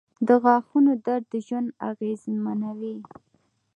• د غاښونو درد ژوند اغېزمنوي.